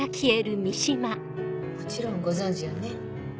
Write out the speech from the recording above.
もちろんご存じよね？